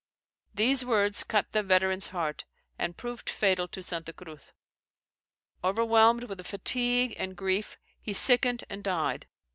These words cut the veteran's heart, and proved fatal to Santa Cruz. Overwhelmed with fatigue and grief, he sickened and died.